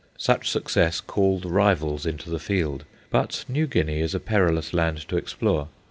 Such success called rivals into the field, but New Guinea is a perilous land to explore.